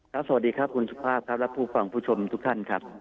สวัสดีครับคุณสุภาพครับและผู้ฟังผู้ชมทุกท่านครับ